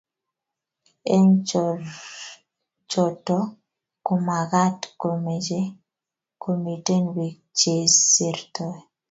eng chotovkomagaat komeche komiten biik chesirtoi